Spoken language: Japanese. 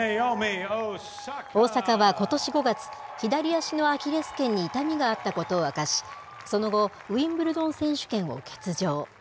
大坂はことし５月、左足のアキレスけんに痛みがあったことを明かし、その後、ウィンブルドン選手権を欠場。